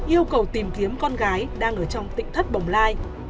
yêu cầu tìm kiếm con gái đang ở trong tỉnh thất bồng lai